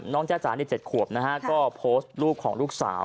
น้องจ้าจ๋านี่๗ขวบนะครับก็โพสต์รูปของลูกสาว